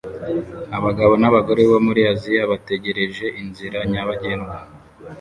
Abagabo n'abagore bo muri Aziya bategereje inzira nyabagendwa